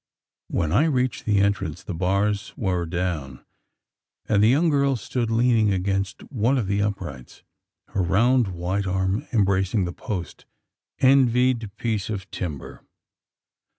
When I reached the entrance, the bars were down; and the young girl stood leaning against one of the uprights her round white arm embracing the post. Envied piece of timber!